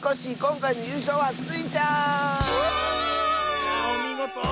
いやおみごと。